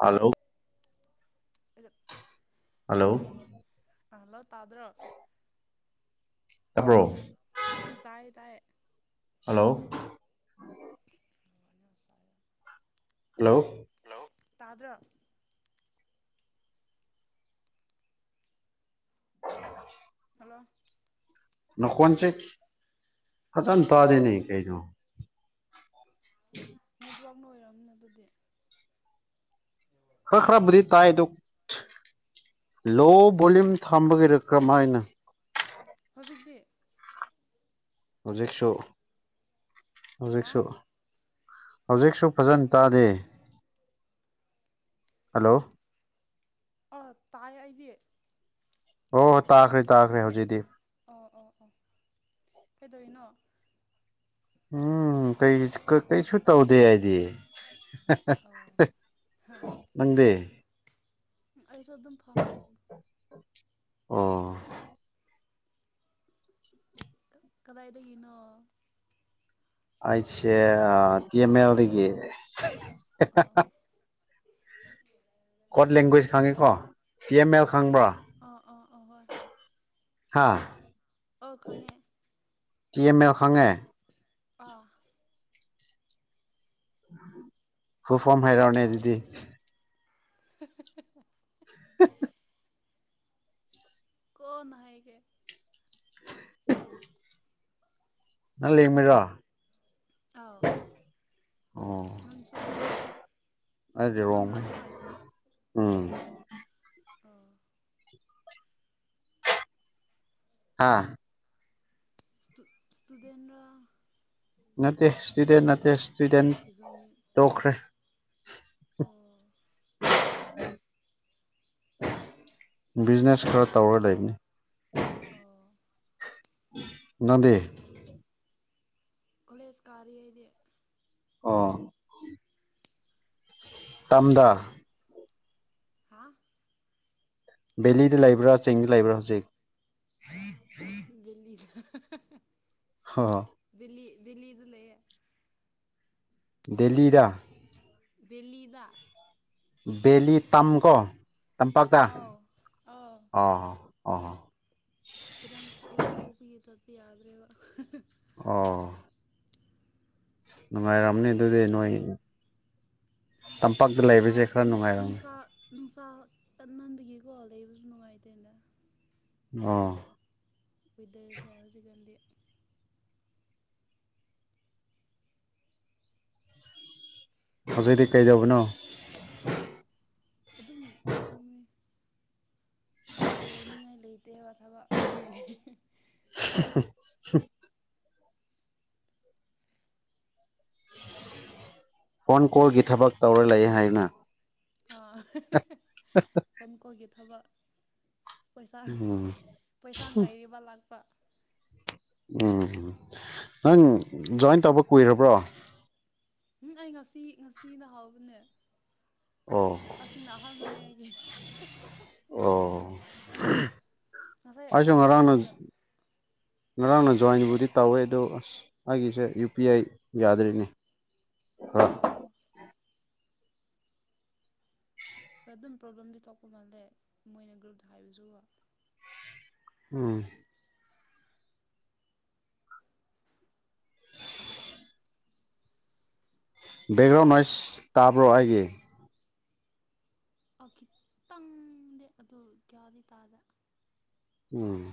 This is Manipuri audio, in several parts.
ꯍꯂꯣ ꯑꯗꯨꯗ ꯍꯂꯣ ꯑꯍꯜꯂꯣ ꯇꯥꯗ꯭ꯔꯣ ꯑꯕ꯭ꯔꯣ ꯎ ꯇꯥꯏꯌꯦ ꯇꯥꯏꯌꯦ ꯍꯜꯂꯣ ꯑꯅ ꯁꯔ ꯍꯂꯣ ꯇꯥꯗ꯭ꯔ ꯍꯜꯂꯣ ꯅ ꯀꯣꯟꯁꯦ ꯐꯖꯟ ꯇꯥꯗꯅꯤ ꯀꯩꯩꯅꯣ [unintelligible] ꯅꯦꯠꯋꯥꯛꯅ ꯑꯣꯏꯔꯝꯅꯕꯗꯤ ꯈꯔ ꯈꯔꯕꯨꯗꯤ ꯇꯥꯏꯗꯨ ꯂꯣ ꯚꯣꯂꯌꯨꯝ ꯊꯥꯝꯕꯒꯤꯔ ꯀ꯭ꯔꯃ ꯍꯥꯏꯅ ꯍꯧꯖꯤꯛꯗꯤ ꯍꯧꯖꯤꯦꯛ ꯁꯣ ꯍꯧꯖꯤꯦꯛ ꯍꯥ ꯁꯣ ꯍꯧꯖꯤꯛꯁꯨ ꯐꯖꯅ ꯇꯥꯗꯦ ꯍꯜꯂꯣ ꯑ ꯇꯥꯏ ꯍꯥꯏꯗ ꯑꯣ ꯇꯥꯈꯔꯤꯦ ꯇꯥꯈꯔꯤꯦ ꯍꯧꯖꯤꯗꯤ ꯀꯩꯗꯦꯔꯅꯣ ꯎꯝ ꯀꯩ ꯀꯩꯁꯨꯨ ꯇꯧꯗ ꯍꯥꯏꯗꯤ ꯑꯣ ꯅꯪꯗꯤ ꯑꯩꯁꯨ ꯑꯗꯨꯝ ꯐꯝꯃꯤ ꯑꯣ ꯀꯗꯥꯏꯗꯒꯤꯅꯣ ꯑꯁꯦ ꯑ ꯇ ꯑꯣ ꯑꯣ ꯑꯣ ꯑꯣ ꯑꯣ ꯃꯗꯒꯤꯗꯒꯤ ꯑꯣ ꯑꯣ ꯀꯣꯠ ꯂꯦꯡꯒ꯭ꯋꯦꯖ ꯈꯪꯉꯤꯀꯣ ꯇꯤ ꯑꯦꯝ ꯑꯦꯜ ꯈꯪꯕ꯭ꯔꯥ ꯑꯍꯔ ꯍꯥꯥ ꯑ ꯈꯪꯉꯦ ꯇꯤꯑꯦꯝ ꯑꯦꯔ ꯁꯉꯦ ꯑ ꯐꯨ ꯐꯝ ꯍꯥꯏꯩꯔꯥꯎꯅꯦ ꯑꯗꯨꯗꯤ [unintelligible] [unintelligible] ꯀꯣꯅ ꯍꯥꯏꯒꯦ ꯅꯪ ꯂꯩꯡꯃꯤꯔꯣ ꯑꯥꯎ ꯅꯪꯁꯨ ꯑꯩꯗꯤ ꯅꯪꯅ ꯔꯣꯡꯃꯦ ꯔꯣꯡꯃꯥꯏ ꯎꯝ ꯑꯣ ꯍꯥꯥ ꯏꯁꯇꯨꯗꯦꯟ꯭ꯔ ꯅꯠꯇꯦ ꯏꯁꯇꯨꯗꯦꯟ ꯅꯠꯇꯦ ꯏꯁꯇꯨꯗꯦꯟ ꯁꯤꯒꯨꯝꯃꯤ ꯇꯣꯛꯈ꯭ꯔꯦ ꯑꯣ [unintelligible] ꯕꯤꯖꯤꯅꯦꯁ ꯈꯔ ꯇꯧꯔꯒ ꯂꯩꯕꯅꯤ ꯑꯣ ꯉꯗꯦ ꯈꯣꯂꯦꯖ ꯀꯔ ꯑꯗꯤ ꯑꯣ ꯇꯗ ꯍꯥ꯫ ꯕꯦꯂꯤꯗ ꯂꯩꯕ꯭ꯔꯥ ꯆꯤꯡꯗ ꯂꯩꯕ꯭ꯔꯥ ꯍꯧꯖꯤꯛ꯫ ꯕꯦꯜꯂꯤꯗ [unintelligible] ꯑꯣ꯫ ꯕꯤꯂꯤꯗ ꯂꯩꯑꯦ꯫ ꯗꯦꯜꯂꯤꯗ꯫ ꯕꯦꯂꯤꯗꯥ꯫ ꯕꯦꯂꯤ ꯇꯝꯀꯣ ꯇꯝꯄꯥꯛꯇ ꯑꯥꯎ ꯑꯥꯎ ꯑꯣ꯫ ꯑꯣ꯫ ꯏꯔꯥꯡ ꯏꯔꯪ ꯇꯧꯕꯒꯤ ꯆꯠꯄ ꯌꯥꯗ꯭ꯔꯦꯕ꯫ ꯑꯣ꯫ ꯅꯨꯡꯉꯥꯏꯔꯝꯅꯤ ꯑꯗꯨꯗꯤ ꯅꯣꯏ꯫ ꯇꯝꯄꯥꯛꯇ ꯅꯨꯡꯁꯥ ꯂꯩꯕꯁꯦ ꯈꯔ ꯅꯨꯡꯉꯥꯏꯔꯝ꯫ ꯅꯨꯡꯁꯥ ꯅꯨꯡꯁꯥ ꯀꯟꯃꯟꯕꯒꯤꯀꯣ ꯂꯩꯕꯁꯨ ꯅꯨꯡꯉꯥꯏꯇꯦꯗ꯫ ꯑꯣ꯫ ꯋꯦꯗꯔꯁꯦ ꯍꯧꯖꯤꯛꯀꯥꯟꯗꯤ꯫ ꯍꯧꯖꯤꯛꯇꯤ ꯀꯩꯗꯧꯕꯅꯣ꯫ ꯑꯗꯨꯝ ꯐꯝꯃꯤ꯫ ꯇꯧꯅꯤꯡꯉꯥꯏ ꯂꯩꯇꯦꯕ ꯊꯕ [unintelligible] [unintelligible] ꯐꯣꯟ ꯀꯣꯜꯒꯤ ꯊꯕꯛ ꯇꯧꯔ ꯂꯩꯌꯦ ꯍꯥꯏꯌꯨꯅ꯫ [unintelligible] ꯐꯣꯟ ꯀꯣꯜꯒꯤ ꯊꯕꯛ꯫ ꯄꯩꯁꯥ ꯎꯝ ꯄꯩꯁꯥ ꯉꯥꯏꯔꯤꯕ ꯂꯥꯛꯄ꯫ ꯎꯝ ꯅꯪ ꯖꯣꯏꯟ ꯇꯧꯕ ꯀꯨꯏꯔꯕ꯭ꯔꯣ꯫ ꯎꯝ ꯑꯩ ꯉꯁꯤ ꯉꯁꯤꯅ ꯍꯧꯕꯅꯦ꯫ ꯑꯣ ꯑꯁꯤꯅ ꯑꯍꯥꯟꯕꯅꯦ ꯑꯩꯒꯤ꯫ ꯑꯣ꯫ ꯅꯁꯥꯏ ꯑꯩꯁꯨ ꯀꯣꯜ ꯉꯔꯥꯡꯅ ꯇꯧꯕꯗ꯫ ꯉꯔꯥꯡꯅ ꯑ ꯖꯣꯏꯟꯕꯨꯗꯤ ꯇꯧꯋꯦ ꯑꯗꯣ ꯑꯁ꯫ ꯑꯩꯒꯤꯁꯦ ꯌꯨ ꯄꯤ ꯑꯥꯏ ꯌꯥꯗꯔꯤꯅꯦ [inaudible] ꯑꯣ ꯍꯣꯏ ꯑꯗꯨꯝ ꯄ꯭ꯔꯣꯕ꯭ꯂꯦꯝꯗꯤ ꯊꯣꯛꯄ ꯃꯥꯜꯂꯦ ꯃꯣꯏꯅ ꯒ꯭ꯔꯨꯞꯇ ꯍꯥꯏꯕꯁꯨ꯫ ꯎꯝ꯫ ꯕꯦꯛꯒ꯭ꯔꯥꯎꯟ ꯅꯣꯏꯁ ꯇꯥꯕ꯭ꯔꯣ ꯑꯩꯒꯤ꯫ ꯈꯤꯇꯪꯗꯤ ꯑꯗꯨ ꯀꯌꯥꯗꯤ ꯇꯥꯗꯦ꯫ ꯎꯝ꯫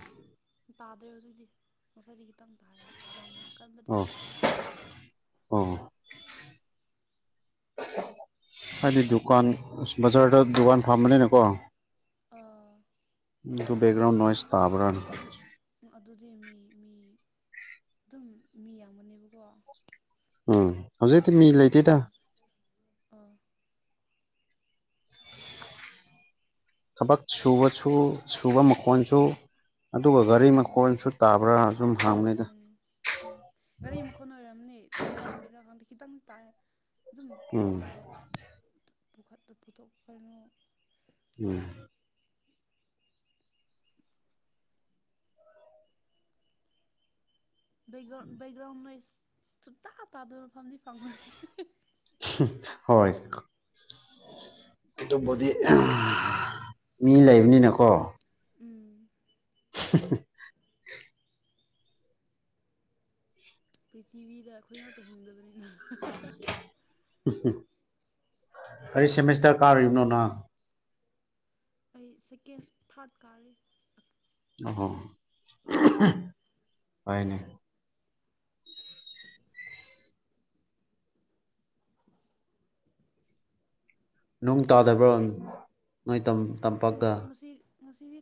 ꯇꯥꯗ꯭ꯔꯦ ꯍꯧꯖꯤꯒꯗꯤ ꯉꯁꯥꯏꯗꯤ ꯈꯤꯇꯪ ꯇꯥꯏꯌꯦꯕ꯫ ꯌꯥꯝ ꯀꯟꯕꯗꯤ ꯑꯣ ꯅꯠꯇꯦ ꯑꯣ꯫ ꯍꯥꯏꯗꯤ ꯗꯨꯀꯥꯟ ꯑꯁ ꯕꯖꯥꯔꯗ ꯗꯨꯀꯥꯟ ꯐꯝꯕꯅꯤꯅꯀꯣ꯫ ꯑ ꯗꯨ ꯕꯦꯒ꯭ꯔꯥꯎꯟ ꯅꯣꯏꯖ ꯇꯥꯕꯔꯅ꯫ ꯑꯗꯨ ꯑꯗꯨꯗꯤ ꯃꯤ ꯃꯤ ꯑꯗꯨꯝ ꯃꯤ ꯌꯥꯝꯒꯅꯦꯕꯀꯣ ꯎꯝ ꯍꯧꯖꯤꯛꯇꯤ ꯃꯤ ꯂꯩꯇꯦꯗ꯫ ꯀꯁꯇꯃꯔ ꯑꯥ꯫ ꯊꯕꯛ ꯁꯨꯕꯁꯨ ꯁꯨꯕ ꯃꯈꯣꯟꯁꯨ꯫ ꯑꯗꯨꯒ ꯒꯥꯔꯤ ꯎꯝ ꯃꯈꯣꯟꯁꯨ ꯇꯥꯕ꯭ꯔꯥ ꯑꯗꯨꯨꯝ ꯎꯝ ꯍꯪꯕꯅꯤꯗ꯫ ꯎꯝ ꯎꯝ ꯒꯥꯔꯤ ꯃꯈꯣꯟ ꯑꯣꯏꯔꯝꯅꯤ ꯊꯕꯛꯀꯤꯔꯥ ꯈꯪꯗꯦ ꯈꯤꯇꯪ꯫ ꯇꯥꯏ ꯑꯗꯨꯝ ꯎꯝ ꯄꯣꯠꯀꯨꯝꯕ ꯄꯨꯈꯠꯄ ꯄꯨꯊꯣꯛꯄꯩꯉꯣ꯫ ꯎꯝ꯫ ꯕꯦꯛꯒ꯭ꯔꯥꯎꯟ ꯕꯦꯛꯒ꯭ꯔꯥꯎꯟ ꯅꯣꯏꯁ ꯁꯨꯇꯥ ꯇꯥꯗꯕ ꯃꯐꯝꯗꯤ ꯐꯪꯉꯣꯏ [unintelligible] ꯍꯣꯏ ꯀ ꯑꯗꯨꯕꯨꯗꯤ [unintelligible] ꯃꯤ ꯈꯤꯇꯪ ꯂꯩꯕꯅꯤꯅꯀꯣ꯫ ꯌꯥꯝ ꯎꯝ [inaudible] ꯄ꯭ꯔꯤꯊꯤꯕꯤꯗ ꯑꯩꯈꯣꯏ ꯉꯥꯛꯇ ꯍꯤꯡꯗꯕꯅꯤ ꯗ ꯑꯩ ꯁꯦꯃꯦꯁꯇꯔ ꯀꯥꯔꯤꯕꯅꯣ ꯅꯪ ꯑꯩ ꯁꯦꯀꯦꯟ ꯊꯥꯔꯠ ꯀꯥꯔꯤ ꯑꯣ ꯐꯩꯅꯦ ꯅꯣꯡ ꯇꯥꯗꯕ꯭ꯔꯥ ꯅꯣꯏ ꯇꯝ ꯉꯁꯤ ꯉꯁꯤꯗꯤ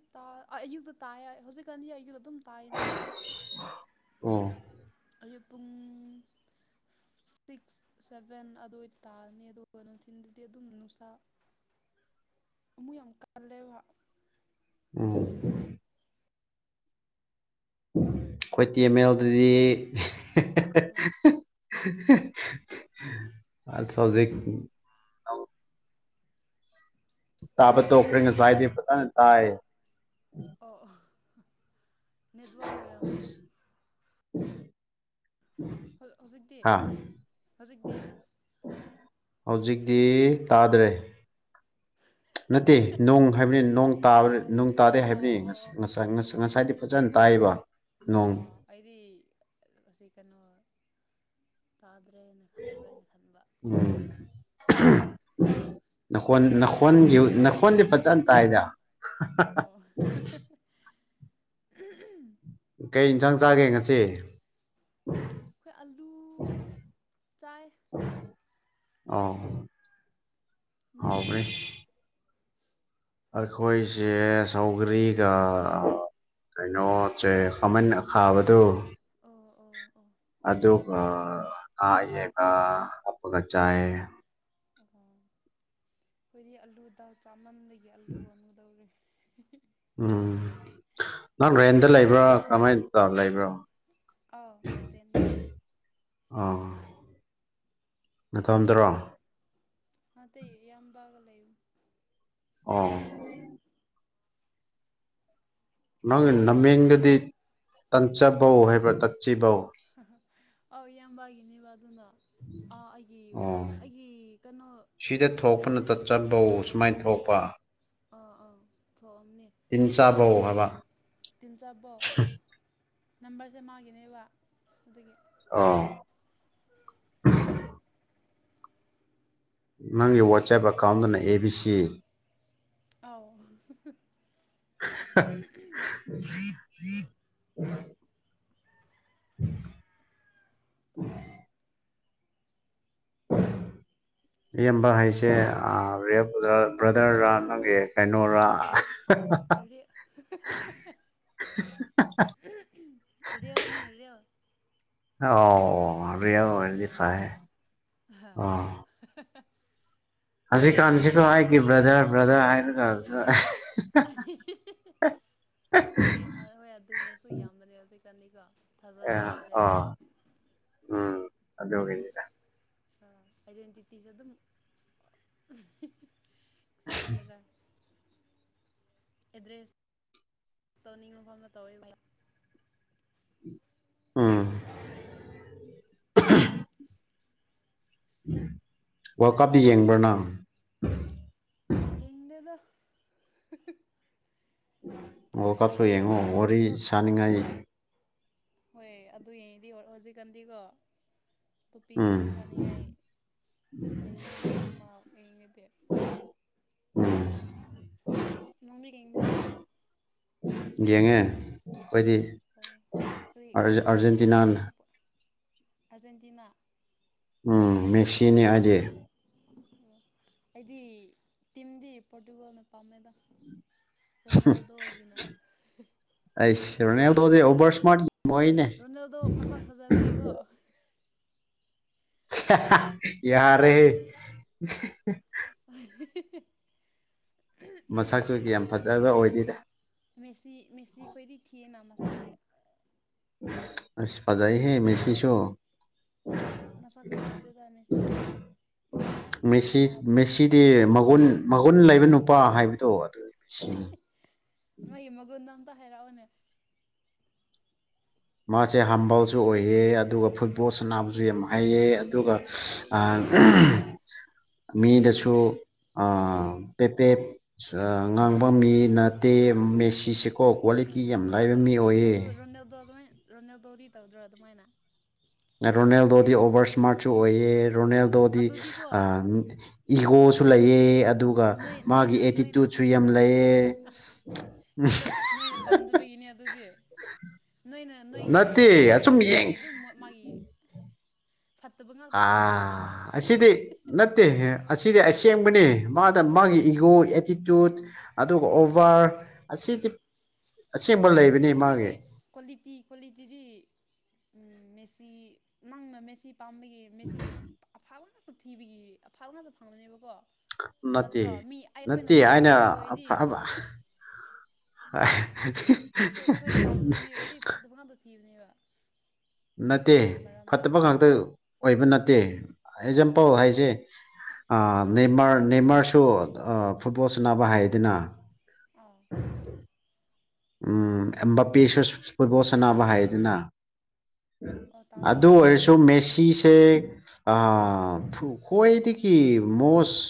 ꯑꯌꯨꯛꯇ ꯇꯥꯏ ꯍꯧꯖꯤꯛꯀꯥꯟꯗꯤ ꯑꯌꯨꯛꯇ ꯑꯗꯨꯝ ꯇꯥꯏꯅ ꯑꯣ ꯑꯌꯨꯛ ꯄꯨꯡ ꯒ ꯁꯤꯛꯁ ꯁꯚꯦꯟ ꯑꯗꯨꯋꯥꯗꯤ ꯇꯥꯔꯅꯤ ꯑꯗꯨꯒ ꯅꯨꯡꯊꯤꯟꯗꯗꯤ ꯑꯗꯨꯝ ꯅꯨꯡꯁꯥ ꯑꯃꯣꯏ ꯌꯥꯝ ꯀꯜꯂꯦꯕꯥ ꯑ ꯑꯩꯈꯣꯏ ꯇꯤ ꯑꯦꯝꯃꯦꯜꯗꯗꯤ ꯍꯧꯖꯤꯛ ꯇꯥꯕ ꯇꯣꯛꯈꯔꯦ ꯉꯥꯁꯥꯏꯗꯤ ꯐꯖꯅꯥ ꯇꯥꯏ ꯑꯣ ꯑꯣ ꯅꯦꯠꯋꯥꯛꯅ ꯑꯣꯏꯔꯝꯅꯤ ꯍꯧꯖꯤꯛꯇꯤ ꯍꯥ ꯍꯧꯖꯤꯛꯇꯤ ꯍꯧꯖꯤꯛꯇꯤ ꯇꯥꯗ꯭ꯔꯦ ꯅꯠꯇꯦ ꯅꯣꯡ ꯍꯥꯏꯕꯅꯤ ꯅ ꯇꯥꯕ ꯅ ꯇꯥꯗꯦ ꯑꯣ ꯍꯥꯏꯕꯅꯤ ꯑꯣ ꯑꯣ ꯑꯣ ꯉꯁꯥꯏ ꯉꯁꯥꯏꯗꯤ ꯐꯖꯅ ꯇꯥꯏꯕ ꯑ ꯑꯩꯗꯤ ꯁꯤ ꯀꯩꯅꯣ ꯇꯥꯔꯦ ꯈꯥꯏꯕꯔꯅ ꯎꯝ ꯅꯥꯈꯣꯟ ꯅꯥꯈꯣꯟ ꯅꯥꯈꯣꯟꯗꯤ ꯐꯖꯅ ꯇꯥꯏꯗ ꯑꯣ ꯀꯩ ꯏꯟꯁꯥꯡ ꯆꯥꯒꯦ ꯉꯁꯤ ꯑꯩꯈꯣꯏ ꯑꯂꯨ ꯆꯥꯏ ꯑ ꯅꯣꯏꯗꯤ ꯍꯥꯎꯕꯅꯦ ꯑꯩꯈꯣꯏꯁꯦ ꯁꯧꯒꯔꯤꯒ ꯀꯩꯅꯣꯁꯦ ꯈꯥꯃꯦꯟ ꯑꯈꯥꯕꯗꯣ ꯑꯣ ꯑꯣ ꯑꯣ ꯑꯗꯨ ꯑ ꯉꯥ ꯑꯌꯥꯏꯕ ꯍꯞꯄꯒ ꯆꯥꯌꯦ ꯑ ꯑꯩꯈꯣꯏꯗꯤ ꯑꯂꯨꯗꯥ ꯆꯥꯃꯟꯕꯥꯒꯤ ꯑꯥꯂꯨ ꯑꯃꯗꯧꯔꯦ ꯗ ꯎꯝ ꯅꯪ ꯔ꯭ꯔꯦꯟꯗ ꯂꯩꯕ꯭ꯔꯥ ꯀꯃꯥꯏꯅ ꯇ ꯂꯩꯕ꯭ꯔꯣ ꯑꯥꯎ ꯔꯦꯟꯠ ꯇꯥ ꯑꯥ ꯅꯠꯇꯣꯝꯗꯔꯣ ꯑꯇꯩ ꯌꯥꯝ ꯒ ꯂꯩꯕ ꯑ ꯅꯪ ꯅꯃꯤꯡꯗꯗꯤ ꯇꯟꯆꯕꯧ ꯍꯥꯏꯕ꯭ꯔꯥ ꯇꯠꯆꯕꯧ ꯑꯧ ꯏꯌꯥꯝꯕꯒꯤꯅꯦꯕ ꯑꯗꯨꯅ ꯑꯥ ꯑꯩꯒꯤ ꯑꯣ ꯑꯩꯒꯤ ꯀꯩꯅꯣ ꯁꯤꯗ ꯊꯣꯛꯄꯅ ꯇꯥꯠꯆꯥꯕꯧ ꯁꯨꯃꯥꯏꯅꯥ ꯊꯣꯛꯄ ꯑꯥ ꯑꯥ ꯄꯨꯊꯣꯛꯑꯝꯅꯦ ꯇꯤꯟ ꯁꯤ ꯆꯥꯕꯧ ꯅꯝꯕꯔꯁꯦ ꯍꯥꯏꯕ ꯇꯤꯟꯖꯥꯕꯣ ꯅꯝꯕꯔꯁꯦ ꯃꯥꯒꯤꯅꯦꯕ ꯑꯗꯨꯒꯤ ꯑꯣ꯫ ꯅꯪꯒꯤ ꯋꯥꯆꯦꯞ ꯑꯦꯀꯥꯎꯟꯗꯅ ꯑꯦ ꯕꯤ ꯁꯤ ꯑꯥꯎ ꯍꯥ ꯍꯥ ꯎ [unintelligible] [inaudible] ꯏꯌꯥꯝꯕ ꯍꯥꯏꯁꯦ ꯕ꯭ꯔꯗꯔꯔꯥ ꯅꯪꯒꯤ ꯑ ꯀꯩꯅꯣꯔꯥ [inaudible] ꯑꯗꯨꯦꯅꯤꯔ [unintelligible] ꯃꯊꯥꯛꯇ ꯑꯣꯗꯤꯁꯦ ꯂꯩꯕꯅꯦ ꯑ ꯍꯧꯖꯤꯛꯀꯥꯟꯁꯤꯀꯣ ꯍꯥꯏꯒꯤ ꯕ꯭ꯔꯗꯔ ꯕ꯭ꯔꯗꯔ ꯍꯥꯏꯔ ꯀꯥꯟꯁꯤ ꯍꯣꯏ ꯑꯗꯨꯃꯁꯨ ꯌꯥꯝꯗꯅꯦ ꯍꯧꯖꯤꯛꯀꯅꯤꯀꯣ ꯑ ꯑꯣ ꯎꯝ ꯑꯗꯦꯗ ꯑ ꯍꯥꯏꯗꯤꯇꯤꯁ ꯑꯗꯨꯝ ꯀ ꯂ ꯑꯦꯗ꯭ꯔꯦꯁ ꯇꯧꯅꯤꯡꯕ ꯃꯐꯝꯗ ꯇꯧꯋꯦꯕ ꯎꯥ ꯋꯥꯔꯜ ꯀꯞꯇ ꯌꯦꯡꯕ꯭ꯔꯅ ꯌꯦꯡꯗꯦꯗ [unintelligible] [inaudible] ꯑꯣ ꯀꯥꯞꯁꯨ ꯔꯤꯜ ꯌꯦꯡꯉꯣ ꯋꯥꯔꯤ ꯁꯣꯔꯠ ꯁꯥꯅꯤꯡꯉꯥꯏ ꯍꯣꯏ ꯑꯗꯨ ꯌꯦꯡꯉꯗꯤ ꯍꯧꯖꯤꯛꯀꯥꯟꯗꯤꯀꯣ ꯇꯨꯄꯤ ꯑꯣꯔꯤ ꯎꯝ ꯁꯥꯅꯤꯡꯉꯥꯏ ꯂꯩꯅꯤꯅꯦ ꯑꯗꯨ ꯃꯥ ꯑꯩꯩꯅꯗꯤ ꯎꯝ ꯏꯣꯕꯤ ꯌꯦꯡꯕ꯭ꯔꯣ ꯌꯦꯡꯉꯦ ꯑꯩꯈꯣꯏꯗꯤ ꯑꯣ ꯀꯔꯤ ꯑꯥꯔꯖꯦꯟꯇꯤꯅꯥꯅ ꯑꯖꯦꯟꯇꯤꯅꯥ ꯎꯝ ꯃꯦꯛꯁꯤꯅꯦ ꯍꯥꯏꯗꯤ ꯑꯣ ꯑꯩꯗꯤ ꯇꯤꯝꯗꯤ ꯄꯣꯔꯇꯨꯒꯣꯜꯅ ꯄꯥꯝꯃꯦꯗ ꯅꯦꯜꯗꯒꯤꯅ ꯑꯩꯁ ꯣ ꯔꯣꯅꯦꯜꯗꯣꯗꯤ ꯑꯣꯚꯔ ꯏꯁꯃꯥꯔꯠ ꯌꯥꯝ ꯑꯣꯏꯅꯦ [inaudible] ꯔꯣꯗꯦꯜꯗꯣ ꯃꯁꯥ ꯐꯖꯕ ꯌꯦꯀꯣ ꯌꯥꯔꯦ ꯑ [inaudible] ꯃꯁꯛꯁꯨ ꯌꯥꯝ ꯐꯖꯕ ꯑꯣꯏꯗꯣꯏꯗ ꯃꯦꯁꯤ ꯃꯦꯁꯤ ꯈꯣꯏꯗꯤ ꯊꯤꯌꯦꯅ ꯃꯁꯛꯇꯤ ꯑꯁ ꯄꯖꯥꯏ ꯍꯦ ꯔꯣꯅꯦꯜꯗꯣ ꯃꯤꯁꯤꯁꯨ ꯃꯁꯛ ꯐꯖꯗꯦ ꯇꯥꯅꯤ ꯁꯤꯔꯦ ꯁꯤ ꯃꯦꯁꯤꯗꯤ ꯑꯗꯨꯕꯨ ꯃꯒꯨꯟ ꯃꯒꯨꯟ ꯂꯩꯕ ꯅꯨ ꯅꯨꯄꯥ ꯍꯥꯏꯕꯗꯣ ꯑꯗꯨ ꯇ ꯍꯥꯏꯔꯥ ꯑꯣꯅꯦ ꯃꯥꯁꯦ ꯍꯝꯕꯜꯁꯨ ꯑꯣꯏꯑ ꯑꯗꯨꯒ ꯐꯨꯠꯕꯣꯜ ꯁꯥꯟꯅꯕꯁꯨ ꯌꯥꯝ ꯍꯥꯏꯑꯦ ꯑꯗꯨꯒ ꯃꯤꯗꯁꯨ ꯑ ꯄꯦꯄꯦ ꯉꯥꯡꯕ ꯃꯤ ꯅꯠꯇꯦ ꯃꯦꯁꯤꯁꯤ ꯀꯣ ꯑꯦ ꯀ꯭ꯋꯥꯂꯤꯇꯤ ꯌꯥꯝ ꯂꯥꯏꯕ ꯃꯤ ꯑꯣꯏꯌꯦ ꯔꯣꯅꯦꯜꯕꯣꯗꯤ ꯇꯧꯗ꯭ꯔꯣ ꯑꯗꯨꯃꯥꯏꯅ ꯔꯣꯅꯦꯜꯗꯣꯗꯤ ꯑꯣꯚꯔꯁꯃꯁꯨ ꯑꯣꯏꯌꯦ ꯔꯣꯅꯦꯜꯗꯣꯗꯤ ꯑꯗꯨꯗꯤꯀꯣ ꯏꯒꯣꯁꯨ ꯂꯩꯌꯦ ꯑꯗꯨꯒ ꯅꯣꯏ ꯃꯥꯒꯤ ꯅꯣꯏꯅ ꯅꯣꯏꯅ ꯑꯦꯇꯤꯇꯨꯠꯁꯨ ꯌꯥꯝ ꯂꯩꯌꯦ ꯅꯣꯏꯅꯦ ꯄꯝꯗꯕꯒꯤꯅꯤ ꯑꯗꯨꯗꯤ ꯅꯣꯏꯅ ꯅꯣꯏꯒꯤ ꯅꯠꯇꯦ ꯅꯣꯏꯅ ꯑꯁꯨꯝ ꯌꯦꯡ ꯄꯥꯝꯗꯕꯒꯤ ꯑꯗꯨꯝ ꯃꯥꯒꯤ ꯐꯠꯇꯕ ꯉꯥꯛꯇ ꯑ ꯈꯟꯕꯒꯤꯅꯦꯕ ꯑꯁꯤꯗꯤ ꯅꯠꯇꯦ ꯑꯁꯤꯗꯤ ꯑꯁꯦꯡꯕꯅꯦ ꯃꯥ ꯃꯥꯒꯤ ꯑꯦ ꯏꯒꯣ ꯑꯦꯇꯤꯇ꯭ꯨꯠ ꯑꯗꯨꯒ ꯑꯣꯚꯔ ꯑꯁꯤꯗꯤ ꯑꯁꯦꯡꯕ ꯂꯩꯕꯅꯤ ꯐꯖꯩ ꯃꯥꯒꯤ ꯑꯣꯏ ꯀ꯭ꯋꯥꯂꯤꯇꯤ ꯀ꯭ꯋꯥꯂꯤꯇꯤꯗꯤꯦꯁ ꯁꯤ ꯅꯪꯅ ꯃꯦꯁꯤ ꯄꯥꯝꯕꯒꯤ ꯃꯦꯁꯤꯒꯤ ꯑꯐꯕ ꯎꯊꯤꯕꯤꯒꯤ ꯑꯐꯥꯛ ꯉꯥꯛꯇ ꯐꯪꯕꯅꯦꯕꯀꯣ ꯅꯠꯇꯦ ꯅꯠꯇ꯭ꯔꯣ ꯃꯤ ꯑꯩꯈꯣꯏꯅ ꯅꯠꯇꯦ ꯑꯅ ꯄꯥꯝꯖꯕ ꯃꯤ ꯑꯣꯏꯔꯗꯤ ꯑꯐꯕ ꯑꯩꯈꯣꯏ ꯑꯩꯈꯣꯏꯅ ꯄꯥꯝꯖꯕ ꯃꯤ ꯑꯣꯏꯔꯗꯤ ꯐꯠꯇꯕ ꯉꯥꯛꯇ ꯊꯤꯕꯅꯦꯕ ꯅꯠꯇꯦ ꯃꯣꯏ ꯃꯔꯝꯗ ꯐꯠꯇꯕ ꯉꯥꯛꯇ ꯑꯣꯏꯕ ꯅꯠꯇꯦ ꯑꯦꯛꯖꯥꯝꯄꯜ ꯍꯥꯏꯁꯦ ꯅꯃꯔ ꯅꯅꯤꯃꯔꯁꯨ ꯐꯨꯠꯕꯣꯜ ꯁꯅꯕ ꯍꯥꯏꯌꯦꯗꯅ ꯑꯥꯎ ꯎꯝ ꯑꯝꯕꯄꯤ ꯁꯁꯄꯒꯣ ꯁꯅꯥꯅꯕ ꯍꯥꯏꯗꯅ ꯑꯣ ꯇꯥꯕ ꯑꯗ ꯑꯣꯏꯁ ꯣ ꯃꯦꯁꯤꯁꯦ ꯑ ꯀ꯭ꯣꯏꯗꯤꯀꯤ most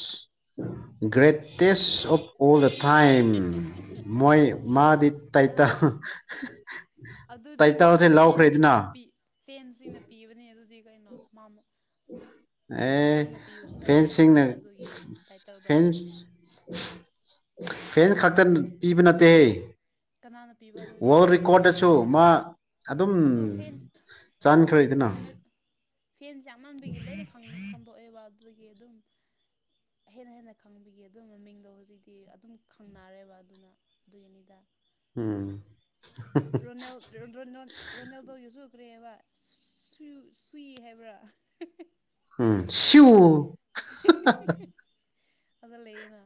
greatest of all the time ꯃꯣꯏ ꯃꯥꯗꯤꯠ ꯇꯥꯏꯇ ꯑꯥ ꯑꯗꯨꯗꯤ ꯃꯥꯒꯤ ꯐꯦꯟꯁꯤꯡꯅ ꯄꯤ ꯐꯦꯟꯁꯤꯡꯅ ꯄꯤꯕꯅꯤ ꯑꯗꯨꯗꯤ ꯀꯩꯅꯣ ꯃꯥꯃꯣ ꯑꯦ ꯏꯁꯣꯔꯅ ꯄꯤꯕꯁꯨ ꯅꯠꯇꯦ ꯐꯦꯟꯁꯤꯡꯅ ꯑꯗꯨꯒꯤ ꯇꯥꯏꯇꯜꯗꯣ ꯐꯦꯟ ꯈꯇ ꯄꯤꯕ ꯅꯠꯇ ꯍꯦ ꯀꯅꯥꯅ ꯄꯤꯕ ꯑꯗꯨꯗꯤ ꯋꯥ ꯔꯦꯀꯣꯔꯗ ꯑꯁꯨ ꯃꯥ ꯑꯗꯨꯝ ꯑꯗꯨ ꯐꯦꯟꯁ ꯆꯥꯟꯈ꯭ꯔꯣꯏꯗꯅ ꯑꯉꯟꯕꯤꯒꯤ ꯂꯣꯏꯅ ꯈꯟꯗꯣꯛꯑꯦꯕ ꯑꯗꯨꯗꯒꯤ ꯑꯗꯨꯝ ꯍꯦꯟꯅ ꯍꯦꯟꯅ ꯈꯪꯕꯤꯒꯤ ꯑꯗꯨ ꯃꯃꯤꯡꯗꯣ ꯍꯧꯖꯤꯛꯇꯤ ꯑꯗꯨꯝ ꯈꯪꯅꯔꯦꯕ ꯑꯗꯨꯅ ꯑꯗꯨꯒꯤꯅꯤꯗ ꯎꯝ ꯔꯣꯅꯦꯜ ꯔ ꯔꯣꯅꯦꯦꯜꯗꯣ ꯌꯁꯨꯛ ꯀ꯭ꯔꯦ ꯍꯥꯏꯕ ꯁꯨꯏ ꯍꯥꯏꯕ꯭ꯔꯥ ꯁꯨ ꯑꯗ ꯂꯩꯅ